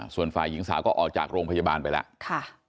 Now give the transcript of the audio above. ส่วนฝ่ายหญิงสาวก็ออกจากโรงพยาบาลไปแล้ว